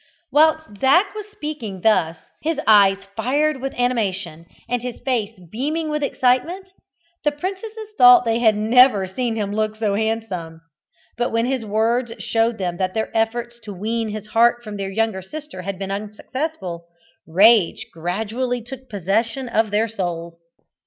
Whilst Zac was speaking thus, his eyes fired with animation, and his face beaming with excitement, the princesses thought they had never seen him look so handsome. But when his words showed them that their efforts to wean his heart from their younger sister had been unsuccessful, rage gradually took possession of their souls.